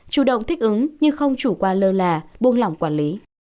chủ động thích ứng nhưng không chủ quan lơ là buông lỏng quản lý